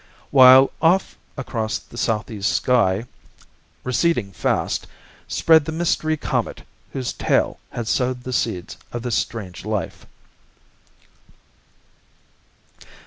While off across the southeast sky, receding fast, spread the Mystery Comet whose tail had sowed the seeds of this strange life.